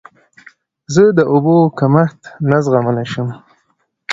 زه د اوبو کمښت نه زغملی شم.